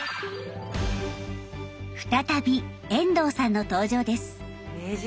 再び遠藤さんの登場です。